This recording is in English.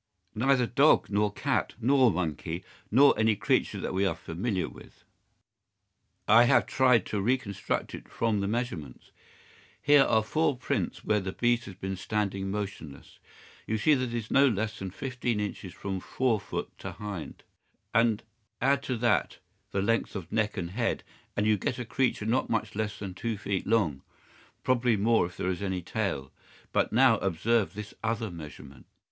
"Neither dog nor cat nor monkey nor any creature that we are familiar with. I have tried to reconstruct it from the measurements. Here are four prints where the beast has been standing motionless. You see that it is no less than fifteen inches from fore foot to hind. Add to that the length of neck and head, and you get a creature not much less than two feet long—probably more if there is any tail. But now observe this other measurement.